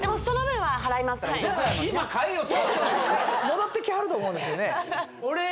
戻ってきはると思うんですよね